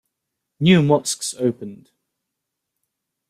New mosques opened.